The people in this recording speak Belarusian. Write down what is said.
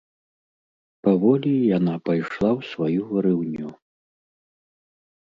Паволі яна пайшла ў сваю варыўню.